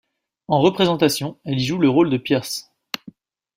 En représentation, elle y joue le rôle de Peirce.